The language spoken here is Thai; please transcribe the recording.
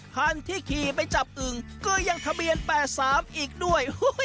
คันที่ขี่ไปจับอึ่งก็ยังทะเบียน๘๓อีกด้วย